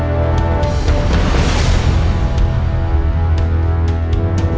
balik dulah saya gue telepon